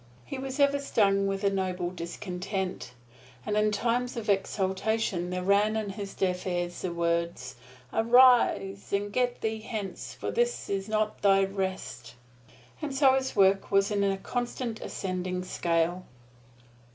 He was ever stung with a noble discontent, and in times of exaltation there ran in his deaf ears the words, "Arise and get thee hence, for this is not thy rest!" And so his work was in a constant ascending scale.